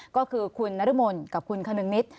ก็คือคุณนรมนกับคุณคนึงนิด